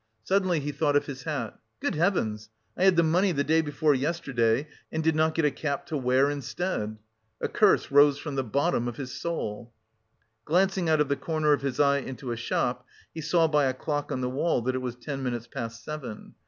Suddenly he thought of his hat. "Good heavens! I had the money the day before yesterday and did not get a cap to wear instead!" A curse rose from the bottom of his soul. Glancing out of the corner of his eye into a shop, he saw by a clock on the wall that it was ten minutes past seven.